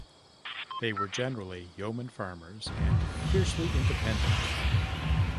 They were generally yeoman farmers and fiercely independent.